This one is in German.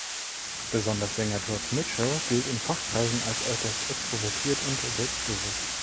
Besonders Sänger George Mitchell gilt in Fachkreisen als äußerst extrovertiert und selbstbewusst.